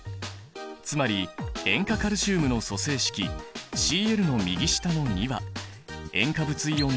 つまり塩化カルシウムの組成式Ｃｌの右下の２は塩化物イオンの数。